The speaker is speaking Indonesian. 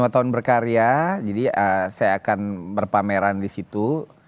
lima tahun berkarya jadi saya akan berpameran di situ